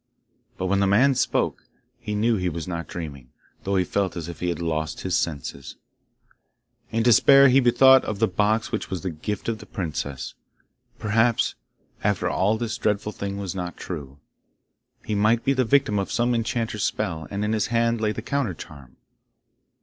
But when the man spoke, he knew he was not dreaming, though he felt as if he had lost his senses. In despair he bethought him of the box which was the gift of the princess. Perhaps after all this dreadful thing was not true. He might be the victim of some enchanter's spell, and in his hand lay the counter charm.